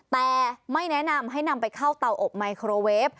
แต่ไม่แนะนำให้นำไปเข้าเตาอบไมโครเวฟ